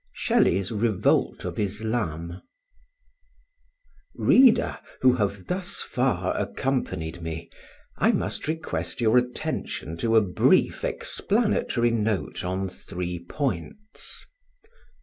SHELLEY'S Revolt of Islam. Reader, who have thus far accompanied me, I must request your attention to a brief explanatory note on three points: 1.